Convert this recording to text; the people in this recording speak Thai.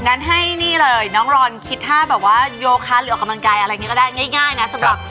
งั้นให้นี่เลยน้องรอนคิดท่าแบบว่าโยคะหรือออกกำลังกายอะไรอย่างนี้ก็ได้ง่ายนะสำหรับ